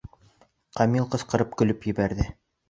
Камил ҡысҡырып көлөп ебәрҙе.